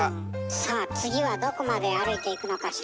さあ次はどこまで歩いていくのかしら？